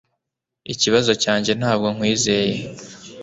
Ikibazo cyanjye ntabwo nkwizeye